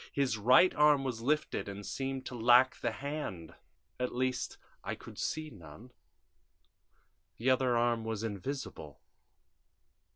His right arm was lifted and seemed to lack the hand at least, I could see none. The other arm was invisible.